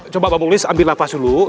coba pak bompok lis ambil nafas dulu ya